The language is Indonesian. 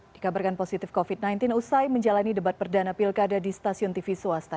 dikabarkan positif covid sembilan belas usai menjalani debat perdana pilkada di stasiun tv swasta